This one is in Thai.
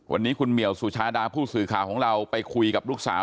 วันนี้คุณเหมียวสุชาดาผู้สื่อข่าวของเราไปคุยกับลูกสาว